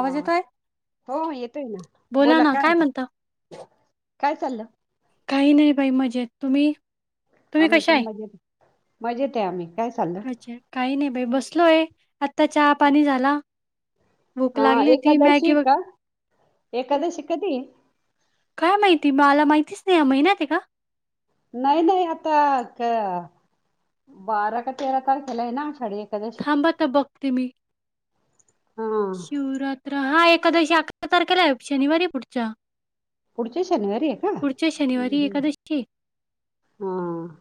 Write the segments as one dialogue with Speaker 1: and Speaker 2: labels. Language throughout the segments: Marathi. Speaker 1: हा
Speaker 2: आवाज येतोय?
Speaker 1: हो येतोय ना. बोला काय म्हणता? काय चाललं?
Speaker 2: काही नाही बाई मजेत. तुम्ही? तुम्ही
Speaker 1: आम्ही
Speaker 2: कशा
Speaker 1: पण
Speaker 2: आहे
Speaker 1: मजेत. मजेते आम्ही. काय चालल?
Speaker 2: काही नाही बाई बसलोय. आता चहा पाणी झाला. भूक
Speaker 1: अ
Speaker 2: लागली होती. मॅगी
Speaker 1: एकादशी
Speaker 2: वग
Speaker 1: का एकादशी कधी ये?
Speaker 2: काय माहिती? मला माहितीच नाही. या महिनात का?
Speaker 1: नाही नाही आता, क बारा का तेरा तारखेलाय ना. आषाढी एका
Speaker 2: थांबात बघते मी.
Speaker 1: हा
Speaker 2: शिवरात्र हा एकादशी अकरा तारखेलाय. शनिवारी पुढचा.
Speaker 1: पुढचे शनिवारीय का? हम्म
Speaker 2: शनिवारी
Speaker 1: हम्म.
Speaker 2: एकादशी आहे.
Speaker 1: हा.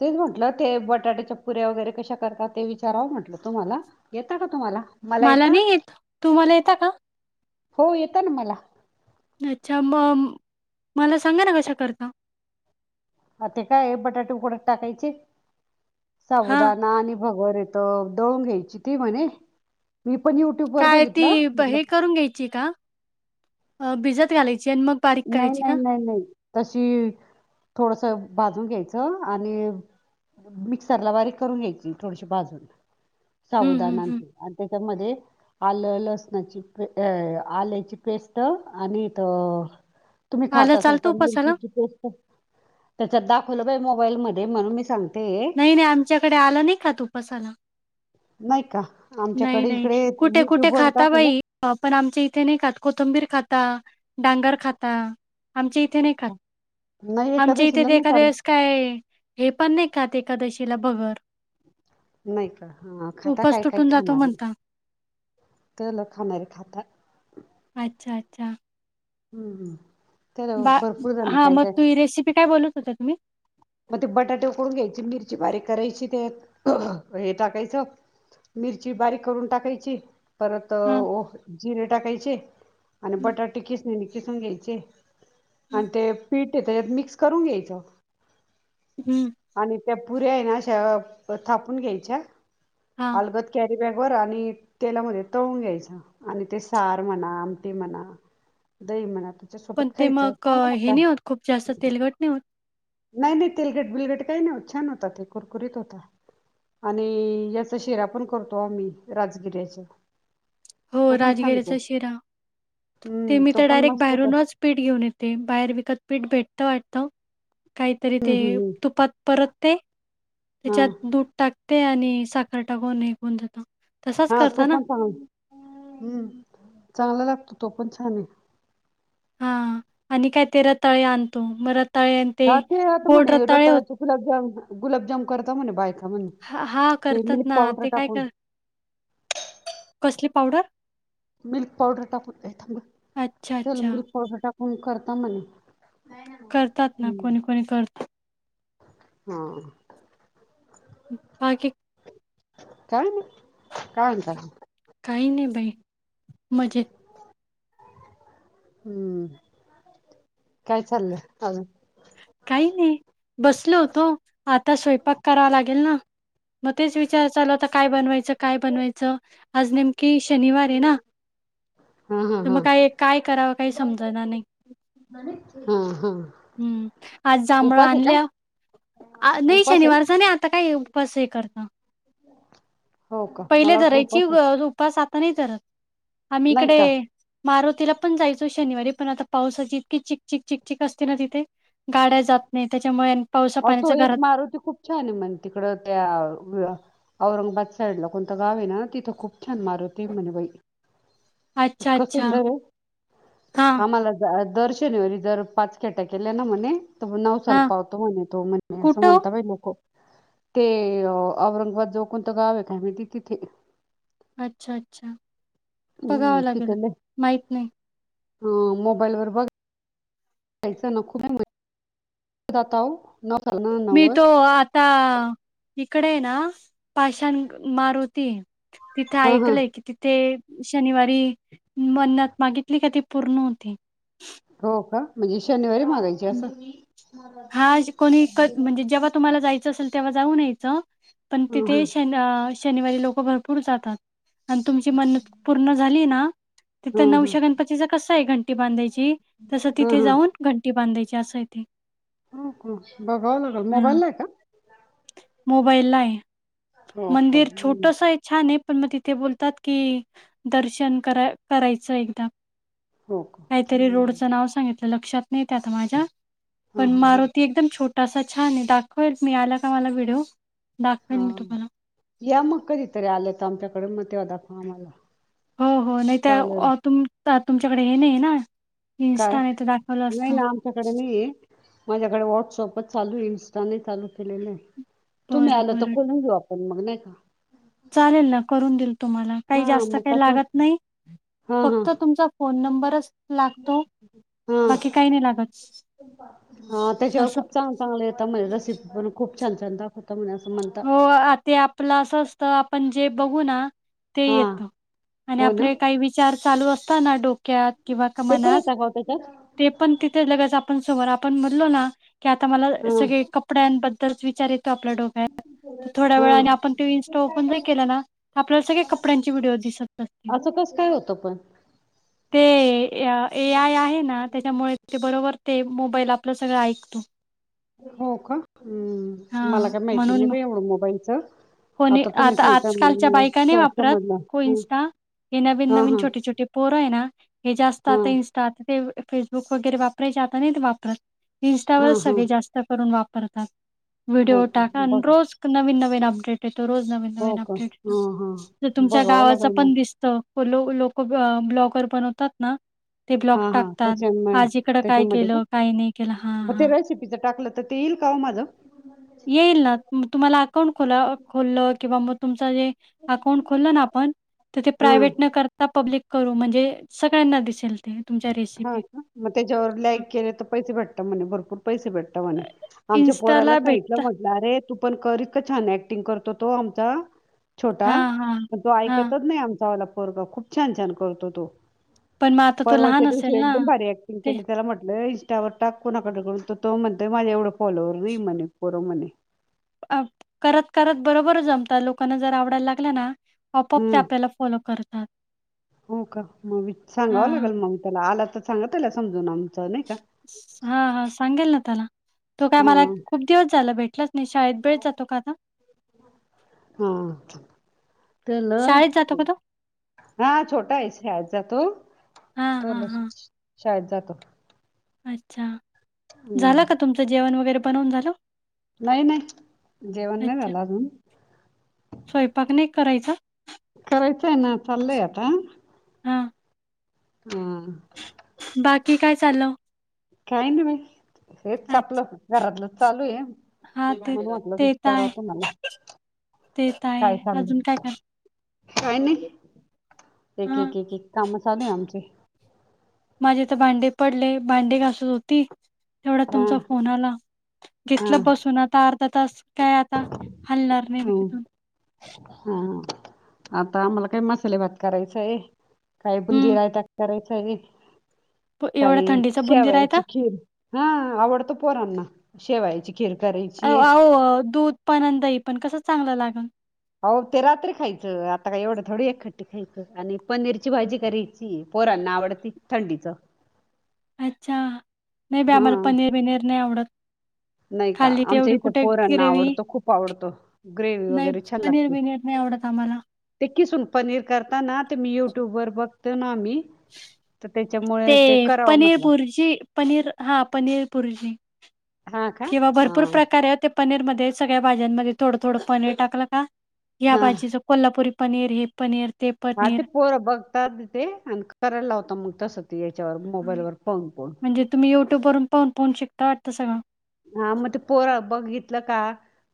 Speaker 1: तेच म्हटलं ते बटाट्याच्या पुऱ्या वगैरे कशा करतात? ते विचारावं म्हटलं तुम्हाला. येता का तुम्हाला? मला यता.
Speaker 2: नाही येत तुम्हाला येता का
Speaker 1: हो येत ना मला.
Speaker 2: अच्छा म, मला सांगा ना कशा करता?
Speaker 1: अ ते काये. बटाटे उकडत टाकायचे.
Speaker 2: हा
Speaker 1: साबुदाणा आणि भगरेत दळून घ्यायची ती म्हणे. मी पण युट्यूब वर बघितलं. म्हणल
Speaker 2: करुन घ्यायची का? भिजत घालायची आणि मग बारीक
Speaker 1: नाही
Speaker 2: करायची
Speaker 1: नाही
Speaker 2: का?
Speaker 1: नाही नाही. तशी थोडस भाजून घ्यायचं. आणि मिक्सर ला बारीक करून घ्यायची. थोडीशी भाजून.
Speaker 2: हं, हं,
Speaker 1: साबुदाना अण
Speaker 2: हं.
Speaker 1: ते. आणि त्याच्यामध्ये आलं लसणाची पे आल्याची पेस्ट. पेस्ट आणि त तुम्ही खात
Speaker 2: आलं
Speaker 1: असाल
Speaker 2: चालतं
Speaker 1: तर
Speaker 2: उपासाला?
Speaker 1: मिरचीची पेस्ट त्याच्यात दाखवलं बाई मोबाईल मध्ये म्हणून मी सांगतेये.
Speaker 2: नाही नाही आमच्याकडे आलं नाही खात उपासाला.
Speaker 1: नाही का
Speaker 2: नाही
Speaker 1: आमच्याकडे
Speaker 2: नाही.
Speaker 1: इकडे
Speaker 2: कुठे कुठे
Speaker 1: युट्यूबवर
Speaker 2: खाता
Speaker 1: दाखवलं
Speaker 2: बाई. पण आमच्या इथे नाही खात. कोथंबीर खाता. डांगर खाता. आमचे इथे नाही खात्री.
Speaker 1: नाही
Speaker 2: मच्या इथे
Speaker 1: एकादशीला
Speaker 2: ते
Speaker 1: नाही
Speaker 2: एखाद्या
Speaker 1: चालत
Speaker 2: वेळेस काय हे पण नाही खात एकादशीला. भगर.
Speaker 1: नाही का? ह खाता
Speaker 2: उपास
Speaker 1: काही काही
Speaker 2: तुटून जातो
Speaker 1: खाणारे.
Speaker 2: म्हणता.
Speaker 1: च ल खाणारे खाता.
Speaker 2: अच्छा अच्छा.
Speaker 1: हूं हम्म तर
Speaker 2: डाळ
Speaker 1: भरपूर जण
Speaker 2: हा
Speaker 1: काय
Speaker 2: म
Speaker 1: काय
Speaker 2: तु रेसिपी काय बोलत होत्या तुम्ही
Speaker 1: म ते बटाटे उकळून घ्यायची मिरची बारीक करायची त्यात हे टाकायचं मिरची बारीक करून टाकायची. परत
Speaker 2: हां.
Speaker 1: ओ जिरे टाकायचे आणि
Speaker 2: हं,
Speaker 1: बटाटे किसनींनी किसून घ्यायचे.
Speaker 2: हं.
Speaker 1: आणि ते पीठ ये त्याच्यात मिक्स करून घ्यायचं.
Speaker 2: हम्म
Speaker 1: आणि त्या पुऱ्या हाय ना अशा थापून घ्यायच्या
Speaker 2: हां,
Speaker 1: अलगत कॅरी बॅग वर आणि तेलामध्ये तळून घ्यायच्या आणि ते सार म्हणा आमटी म्हणा दही म्हणा तू
Speaker 2: पण ते मग हे नाही होत खूप जास्त तेलगट नाय होत.
Speaker 1: नाय नाय तेलगट बिलगट काय नाय होत. छान होतात हे कुरकुरीत होता. आणि याचा शिरा पण करतो आम्ही राजगिऱ्याच्या
Speaker 2: हो राजगिरीचा शिरा ते
Speaker 1: हम्म
Speaker 2: मी
Speaker 1: तो
Speaker 2: त
Speaker 1: पण
Speaker 2: डायरेक्ट
Speaker 1: मस्त होता
Speaker 2: बाहेरूनच पीठ घेऊन येते. बाहेर विकत पीठ भेटतं वाट त कायतरी
Speaker 1: हम्म
Speaker 2: ते
Speaker 1: हम्म
Speaker 2: तुपात परत ते
Speaker 1: हम्म
Speaker 2: त्याच्यात दूध टाक ते आणि साखर टाकून हे कून जात
Speaker 1: हा तो पण चांगल, हम्म, चांगला लागतो तो पण छान ये.
Speaker 2: हा आणि काय ते रताळे आणतो म रताळे आणि ते
Speaker 1: हा आता
Speaker 2: गोड
Speaker 1: म्हणे
Speaker 2: रताळे हो
Speaker 1: रताळ्याचे गुलाबजाम गुलाबजाम करतां म्हणे बायका म्हणे
Speaker 2: हा हा
Speaker 1: ते
Speaker 2: करतात
Speaker 1: मिल्क
Speaker 2: ना
Speaker 1: पावडर
Speaker 2: ते काय
Speaker 1: टाकून
Speaker 2: कर कसली पावडर?
Speaker 1: मिल्क पावडर टाकून, ये थांब गं
Speaker 2: अच्छा,
Speaker 1: त्याला
Speaker 2: अच्छा.
Speaker 1: मिल्क पावडर टाकून करता म्हणे
Speaker 2: करतात ना
Speaker 1: हम्म
Speaker 2: कोणी कोणी करत.
Speaker 1: हा
Speaker 2: बाकी
Speaker 1: काय नय काय म्हणता
Speaker 2: काय नाही बई मजेत
Speaker 1: हम्म, काय चाललं अजून
Speaker 2: काही नाही बसलो होतो. आता स्वयंपाक करावा लागेल ना म तेच विचार चालला होता काय बनवायचं काय बनवायचं आज नेमं की शनिवार ये ना
Speaker 1: हा हा
Speaker 2: त
Speaker 1: हा
Speaker 2: मग काय काय करावं काय समजणा नाई.
Speaker 1: हा हा
Speaker 2: आज जांभळ
Speaker 1: उपास आहे का
Speaker 2: आणल्य आ नही
Speaker 1: उपास आहे
Speaker 2: शनिवारचा नही आता काय उपास हे करतां.
Speaker 1: [unintelligible]
Speaker 2: पहिले
Speaker 1: मला वाटलं
Speaker 2: धरायची
Speaker 1: उपास
Speaker 2: ग
Speaker 1: आहे
Speaker 2: उपास आता नाय धरत आम्ही
Speaker 1: नाही
Speaker 2: इकडे
Speaker 1: का अहो
Speaker 2: मारुतीला पण जाय शनिवारी पण आता पावसाची इतकी चिकचिक चिकचिक असते ना तिथे गाड्या जात नाही त्याच्यामुळे अनं पावसा पाण्याच घरात
Speaker 1: कारण ते खूप छान ये मंन तिकडं त्या व्य औरंगाबाद साईड ला कोणतं गाव ये ना तिथं खूप छान मारुती ये म्हणे बाई
Speaker 2: अच्छा
Speaker 1: इतका
Speaker 2: अच्छा.
Speaker 1: सुंदर ये
Speaker 2: हां,
Speaker 1: आम्हाला जा दर शनिवारी जर पाच केट्या केल्या ना म्हणे त म नवसाला
Speaker 2: हां.
Speaker 1: पावतो म्हणे तो म्हणे असं
Speaker 2: कुठं ओ?
Speaker 1: म्हणता बाई लोकं ते औरंगाबाद जवळ कोणत गाव ये काय माहिती तिथे
Speaker 2: अच्छा अच्छा बघाव
Speaker 1: हम्म,
Speaker 2: लागेल माहित नाही.
Speaker 1: हं मोबाईल वर बघ जायचं ना, [unintelligible] खूब जाता वो? नाव सांग ना
Speaker 2: मी तो
Speaker 1: नवस
Speaker 2: आता इकडे ना पाषाण मारुती तिथं
Speaker 1: हा हा
Speaker 2: ऐकलंय की तिथे शनिवारी मन्नंत मागितली का ती पुर्ण होती.
Speaker 1: हो का म्हणजे शनिवारी मागायची
Speaker 2: ह्
Speaker 1: असं
Speaker 2: हा कोणी क म्हणजे जेव्हा तुम्हाला जायचं असेल तेव्हा जाऊन यायचं पण
Speaker 1: हा हा
Speaker 2: तिथे शन शनिवारी लोकं भरपूर जातात आणं तुमची मन्नत पूर्ण झाली ना? तिथ
Speaker 1: हा
Speaker 2: नवश्या
Speaker 1: हा
Speaker 2: गणपतीचा कसय? आहे घंटी बांधायची तस
Speaker 1: हा
Speaker 2: तिथे जाऊन
Speaker 1: हा
Speaker 2: टी बांधायची असंय ते
Speaker 1: हो का बघाव लागल मोबाईलाय का?
Speaker 2: मोबाईला आहे.
Speaker 1: हो का
Speaker 2: मंदिर
Speaker 1: हम्म.
Speaker 2: छोटसय छानय पण मग तिथे बोलतात की दर्शन करा करायचं एकदा
Speaker 1: हो का
Speaker 2: काहीतरी
Speaker 1: हम्म.
Speaker 2: रोडच नाव सांगितलं लक्षात नाही ते आता माझ्या
Speaker 1: हा
Speaker 2: पण
Speaker 1: हा
Speaker 2: मारुती एकदम छोटासा छानय दाखवेल. मी आला का मला व्हिडओ दाखवेल.
Speaker 1: हा
Speaker 2: मी
Speaker 1: हा.
Speaker 2: तुम्हाला
Speaker 1: या मग कधीतरी आले तर आमच्याकड मग तेव्हा दाखवा आम्हाला
Speaker 2: हो, हो नाही
Speaker 1: चालेल
Speaker 2: तर तुम तुमच्याकडे हे नाही ना?
Speaker 1: काय?
Speaker 2: इन्स्टा नाही तर दाखवलं
Speaker 1: नाही
Speaker 2: असतं
Speaker 1: ना त्याच्याकडं नाहीय. माझ्याकडे व्हॉट्सअप चालू इनस्टानाही चालू केलेलय तुम्ही
Speaker 2: बरं
Speaker 1: आलं तर
Speaker 2: बरं
Speaker 1: खोलून घेऊ आपण मग नाही का?
Speaker 2: चालेल ना करून देईल तुम्हाला काही
Speaker 1: हां
Speaker 2: जास्त
Speaker 1: मग
Speaker 2: काही
Speaker 1: कसं
Speaker 2: लागत नाही
Speaker 1: हां हां
Speaker 2: फक्त तुमचा फोन नंबरच लागतो.
Speaker 1: हां
Speaker 2: बाकी काही नाही लागत
Speaker 1: हा त्याच्यावर
Speaker 2: असं
Speaker 1: खूप चांगल चांगलं येत म्हणे रसिपी पण खूप छान छान दाखवतात तरुणय असं म्हण
Speaker 2: हो आ ते आपलं असं असत. आपण जे बघू ना ते
Speaker 1: हा
Speaker 2: येत आणि
Speaker 1: हो ना
Speaker 2: आपले काही विचार चालू असता ना डोक क्या किंवा का
Speaker 1: ते पण
Speaker 2: मनात
Speaker 1: येता का ओ त्याच्यात
Speaker 2: ते पण तिथे लगेच आपण समोर आपण म्हणलो ना की आता मला
Speaker 1: हा
Speaker 2: सगळे कपड्यांबद्दलच विचार येतो आपल्या डोक्यात तर थोड्या
Speaker 1: हा
Speaker 2: वेळा आणि आपण तो इनस्टा ओपन ज केला ना? आपल्याला सगळे कपड्यांचे व्हिडिओ दिसत असतील
Speaker 1: [unintelligible] होत पण?
Speaker 2: ते ए आय आहे ना त्याच्यामुळे ते बरोबर ते मोबाईल आपलं सगळं ऐकतो
Speaker 1: हो का? हम्
Speaker 2: हा
Speaker 1: मला काय माहिती नाही
Speaker 2: म्हणून
Speaker 1: बाई एवढं मोबाईलच
Speaker 2: कोणी आता आजकालच्या बायकाने वापरत,
Speaker 1: समजलं
Speaker 2: को
Speaker 1: हं,
Speaker 2: इंस्टा हे नवीन
Speaker 1: हा
Speaker 2: नवीन
Speaker 1: हा
Speaker 2: छोटे छोटे पोरय ना हे जास्त
Speaker 1: हा
Speaker 2: आता इन ते फेसबुक वगैरे वापरायचे आता नाही ते वापरत
Speaker 1: हा
Speaker 2: इंस्टावरच
Speaker 1: हा
Speaker 2: सगळे जास्त [unintelligible] वापतात
Speaker 1: हो
Speaker 2: व्हिडओ
Speaker 1: का
Speaker 2: टाका आणि
Speaker 1: बघ
Speaker 2: रोज नवीन नवीन अपडेट रोज नवीन
Speaker 1: हो
Speaker 2: नवीन
Speaker 1: का
Speaker 2: अपडेट
Speaker 1: हा हा
Speaker 2: येता तुमच्या
Speaker 1: बघावं
Speaker 2: गावाचा
Speaker 1: लागेल मग
Speaker 2: पण दिसतो लो लोक ब्लॉगर बनवतात ना? ते ब्लॉक
Speaker 1: हा हा
Speaker 2: टाकतात
Speaker 1: त्याच्या
Speaker 2: आज इकडं काय केलं काही नाही केलं. हा हा
Speaker 1: इथं टाकलं तर ते येईल का वो माझं?
Speaker 2: येईल ना तुम्हाला अकाउंट खोला खोललं किंवा मग तुमचा जे अकाउंट खोलं ना आपण तर ते
Speaker 1: हा
Speaker 2: प्रायव्हेट न कर त्या पब्लिक करू म्हणजे सगळ्यांना दिसेल ते तुमच्या
Speaker 1: हा
Speaker 2: रेसिपी.
Speaker 1: का? मग त्याच्यावर लाईक केले तर पैसे भेटतात म्हणे भरपूर पैसे भेटतात म्हणे. आमच्या पोराला
Speaker 2: इन्स्टाला
Speaker 1: सांगितल
Speaker 2: भेटत
Speaker 1: मग. अरे तू पण कर इतक छान ऍक्टिंग करतो तो आमचा छोटा
Speaker 2: हां हां
Speaker 1: पण तो ऐक
Speaker 2: हां
Speaker 1: एकतच नाही आमचा वाला पोरगा खूप छान छान करतो तो.
Speaker 2: पण मग आता तो
Speaker 1: परवाच्या
Speaker 2: लहान असेल
Speaker 1: दिवशी
Speaker 2: ना
Speaker 1: एकदम भारी अँक्टि ग
Speaker 2: ते
Speaker 1: केली त्याला म्हटलं इंस्टावर टाक कोणाकडुन तर तो म्हणतोय माझा एवढं फॉलोवर नाही म्हणे पोर म्हणे.
Speaker 2: अ करत करत बरोबर जमत लोकांना जर आवडायला लागल ना आपोआप ते
Speaker 1: हम्म
Speaker 2: आपल्याला फॉलो करतात.
Speaker 1: हो का मग मी सांगाव
Speaker 2: हां.
Speaker 1: लागेल मग त्याला आला तर सांगा त्याला समजून आमचा नाही का.
Speaker 2: हा हा सांगेल ना त्याला. तो काय
Speaker 1: हा
Speaker 2: मला खूप दिवस झाल भेटलाच नाही शाळेत वेळेत जातो का आता.
Speaker 1: हां त्याला
Speaker 2: शाळेत जातो का तो?
Speaker 1: हा छोटा आहे शाळेत जातो
Speaker 2: हां हां
Speaker 1: तोला
Speaker 2: हां
Speaker 1: शाळेत जातो
Speaker 2: अच्छा
Speaker 1: हम्म.
Speaker 2: झाल का तुमचं जेवण वगैरे बनवून झालं?
Speaker 1: नाही नाही जेवण नाही
Speaker 2: अच्छा
Speaker 1: झाल अजून.
Speaker 2: स्वयंपाक नाही करायचा?
Speaker 1: करायचाय ना चालय आता.
Speaker 2: हां
Speaker 1: हां
Speaker 2: बाकी काय चालय
Speaker 1: काही नाही बाई हेच आपल
Speaker 2: अच्छा
Speaker 1: घरातल चालू आहे.
Speaker 2: हा ते
Speaker 1: म्हणुन वाटलं
Speaker 2: ते तर
Speaker 1: विचाराव
Speaker 2: आहे
Speaker 1: तुम्हाला
Speaker 2: ते तर
Speaker 1: काय
Speaker 2: आहे
Speaker 1: चाललय.
Speaker 2: अजून काय काय
Speaker 1: काय नाही एक
Speaker 2: हा
Speaker 1: एक एक काम चालू आहे आमचे.
Speaker 2: माझे तर भांडे पडले भांडे घासत होती. तेवढ्यात
Speaker 1: हा
Speaker 2: तुमचा फोन आला
Speaker 1: हा
Speaker 2: घेतल बसून आता अर्धा तास. काय आता हलणार नाही मी
Speaker 1: हं,
Speaker 2: तिथून.
Speaker 1: हा हा आता आम्हाला काय मसाले भात करायचा आहे. काही
Speaker 2: हम्म
Speaker 1: बुंदीरायता करायचं आहे
Speaker 2: प- एवढ्या
Speaker 1: काही
Speaker 2: थंडीचा बुंदी रायता
Speaker 1: शेवायाची खीर. हा आवडतो पोरांना शेवयांची खि खीर करी
Speaker 2: ह आवो दूध पण आणि दही पण कसं चांगल लागल.
Speaker 1: अहो ते रात्री खायचं आता का एवढ थोडी एक खट्टी खायच आणि पनीरची भाजी करी. पोरांना आवडती थंडीच.
Speaker 2: अच्छा नाही बाई
Speaker 1: हा
Speaker 2: आम्हाला पनीर बिनीर नाही आवडत.
Speaker 1: नाही का
Speaker 2: खाल्ली ते
Speaker 1: आमच्या
Speaker 2: एवढी
Speaker 1: इथं
Speaker 2: कुठे
Speaker 1: पोरांना
Speaker 2: ग्रेवी
Speaker 1: आवडतो खूप आवडतो ग्रेव्ही
Speaker 2: नाही
Speaker 1: वगैरे छान
Speaker 2: पनीर
Speaker 1: लागते
Speaker 2: बिनीर नाही आवडत. आम्हाला
Speaker 1: ते खिसून पनीर करताना ते मी युट्युब वर बघतो ना आम्ही.
Speaker 2: ते पनीर बुर्जी पनीर हा पनीर बुर्जी.
Speaker 1: हा का
Speaker 2: किंवा
Speaker 1: हा
Speaker 2: भरपूर प्रकारे असे ते पनीरमध्ये सगळ्या भाज्यांमध्ये थोडं थोडं पनीर टाकल का. ह्या
Speaker 1: हा
Speaker 2: भाजीचं कोल्हापुरी पनीर हे पनीर ते
Speaker 1: हा
Speaker 2: पनीर
Speaker 1: ते पोर बघतात ते आणि करायला लावत मग तस ते याच्यावर मोबाईल वर पाहुन पाहुन.
Speaker 2: म्हणजे तुम्ही यूट्यूबवरून पाहून पाहून शिकता वाटत सगळ.
Speaker 1: हा मग ते पोर बघितल का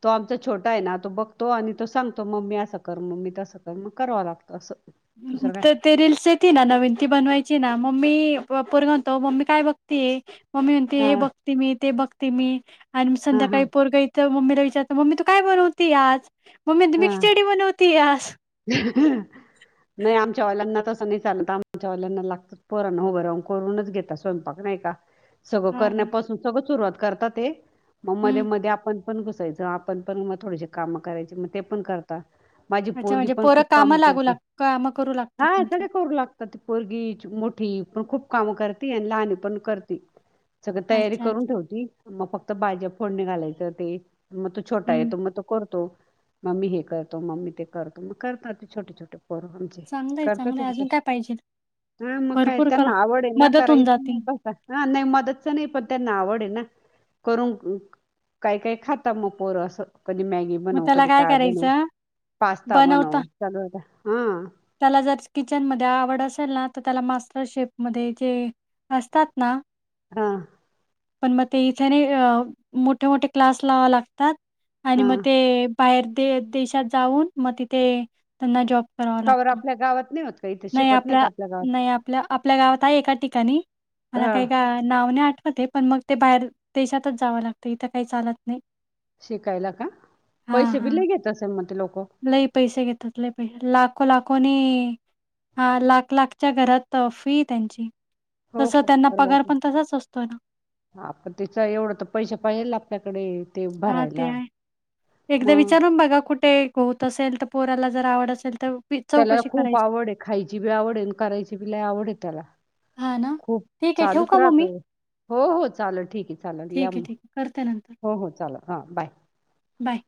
Speaker 1: तो आमचा छोटा आहे ना तो बघतो आणि तो सांगतो मम्मी असं कर मम्मी तस कर मग कराव लागत अस.
Speaker 2: त ते रीलसे. ती ना नवीन ती बनवायची ना मम्मी प-पोरगं म्हणतो मम्मी काय बघती य. मम्मी म्हणते
Speaker 1: हा
Speaker 2: हे बघते मी, ते बघते मी आण
Speaker 1: हा हा
Speaker 2: संध्याकाळी पोरग येत मम्मीला विचारत मम्मी तू काय बनवती आज मम्मी म्हणती मी
Speaker 1: हा
Speaker 2: खिचडी बनवतीय आज.
Speaker 1: नाही आमच्या वाल्यांना तसं नाही चालत आमच्या वाल्यांना लागत. पोरांना उभ राहून कोरूनच घेता स्वयंपाक नाही का? सगळं
Speaker 2: हा का
Speaker 1: करण्यापासून सगळं सुरुवात करतात ते म मध्ये,
Speaker 2: हम्म
Speaker 1: मध्ये आपण. आपण घुसायच आपण पण मग थोडेशे काम करायचे मग ते पण करता. माझी
Speaker 2: अच्छा
Speaker 1: पोरगी
Speaker 2: म्हणजे
Speaker 1: पण
Speaker 2: पोरं
Speaker 1: खूप काम
Speaker 2: कामं लागू
Speaker 1: करते,
Speaker 2: लाग कामं करू लागतात
Speaker 1: हा
Speaker 2: तुमच्या
Speaker 1: सगळे करू लाग आता ती पोरगी मोठी पण खूप कामं करती, आणि लहानी पण करती. सगळ तयारी
Speaker 2: अच्छा
Speaker 1: करून
Speaker 2: अच्छा
Speaker 1: ठेवती मग फक्त भाज्या फोडणी घालायचं ते मग तु छोटा
Speaker 2: हम्म
Speaker 1: येतो मग तो करतो मम्मी हे करतो, मम्मी ते कर. म करतात ते छोटे छोटे पोरं.
Speaker 2: चांगलं आहे
Speaker 1: करता
Speaker 2: चांगलं आहे
Speaker 1: कधी
Speaker 2: अजून
Speaker 1: कधी,
Speaker 2: काय पाहिजे
Speaker 1: हा मग काय
Speaker 2: भरपूर कर
Speaker 1: त्यांना आवड हे ना
Speaker 2: मदत होऊन
Speaker 1: करायची.
Speaker 2: जाते
Speaker 1: हा नाही मदतच नाही पण त्यांना आवड हे ना करून. काय काय खाता म पोरं अस कधी मॅगी
Speaker 2: मग
Speaker 1: बनव
Speaker 2: त्याला
Speaker 1: कधी काय बनव
Speaker 2: करायचं
Speaker 1: पास
Speaker 2: बनवता
Speaker 1: चालु होता हा!
Speaker 2: त्याला जर किचन मध्ये आवड असेल ना, त त्याला मास्टर शेप मध्ये जे असतात ना.
Speaker 1: हा!
Speaker 2: पण म ते इथे नाही ग मोठे मोठे क्लास लावा लागतात. आणि
Speaker 1: हा
Speaker 2: म ते बाहेर दे-देशात जाऊन मग तिथे त्यांना जॉब करावा
Speaker 1: का
Speaker 2: लागतो
Speaker 1: बरं आपल्या गावात नाही होत. का इथे
Speaker 2: नाही
Speaker 1: शिकवत का
Speaker 2: आपल्या
Speaker 1: गावात
Speaker 2: नाही आपल्या-आपल्या गावात आहे एका ठिकाणी. मला
Speaker 1: हा
Speaker 2: काही गा नाव नाही आठवत हे पण मग ते बाहेर देशातच जावं लागतं इथं काही चालत नही.
Speaker 1: शिकायला का पैसे बि
Speaker 2: हां
Speaker 1: लय घेत असे मग ते लोकं.
Speaker 2: लई पैसे घेतात, लय पै लाखो लाखोनी. हा लाख लाखच्या घरात फी हे त्यांची तसं त्यांना पगार पण तसाच असतो ना.
Speaker 1: हा तिचा एवढं त पैसे पाहिजेल आपल्याकडे ते
Speaker 2: हां ते
Speaker 1: भरायला.
Speaker 2: आहे. एकदा
Speaker 1: मग
Speaker 2: विचारून बघा कुठे होत असेल त पोराला जर आवड असेल त.
Speaker 1: त्याला खूप आवड हे खायची बी आवड हे, न करायची बी लयी आवड हे त्याला.
Speaker 2: हां ना.
Speaker 1: खूप
Speaker 2: ठीक आहे ठेवू
Speaker 1: चालूच
Speaker 2: का मग
Speaker 1: राहत.
Speaker 2: मी?
Speaker 1: हो हो चाललं ठीक हे चालल
Speaker 2: ठीक
Speaker 1: या
Speaker 2: आहे
Speaker 1: मग
Speaker 2: ठीक आहे करते नंतर
Speaker 1: हो हो चालल हं बाय.
Speaker 2: बाय,